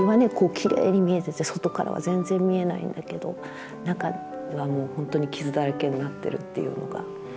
きれいに見えてて外からは全然見えないんだけど中はもう本当に傷だらけになってるっていうのが。